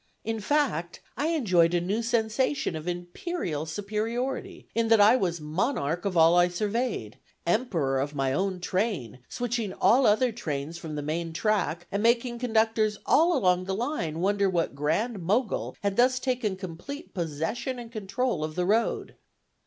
In fact, I enjoyed a new sensation of imperial superiority, in that I was "monarch of all I surveyed," emperor of my own train, switching all other trains from the main track, and making conductors all along the line wonder what grand mogul had thus taken complete possession and control of the road.